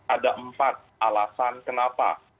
ada empat alasan kenapa